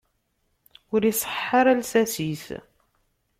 Ur iseḥḥa ara lsas-is.